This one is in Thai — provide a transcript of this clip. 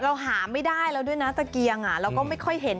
เราหาไม่ได้แล้วด้วยนะตะเกียงเราก็ไม่ค่อยเห็น